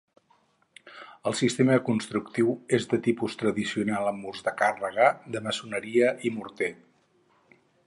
El sistema constructiu és de tipus tradicional amb murs de càrrega de maçoneria i morter.